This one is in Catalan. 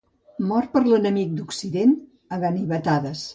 Mort per l'enemic d'Occident a ganivetades.